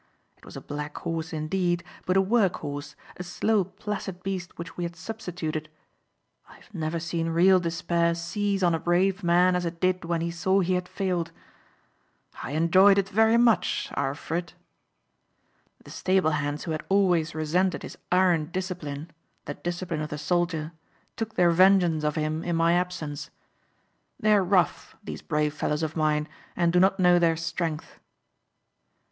It was a black horse indeed, but a work horse, a slow placid beast which we had substituted. I have never seen real despair seize on a brave man as it did when he saw he had failed. I enjoyed it very much Arlfrit. "The stable hands who had always resented his iron discipline, the discipline of the soldier, took their vengeance of him in my absence. They are rough, these brave fellows of mine, and do not know their strength."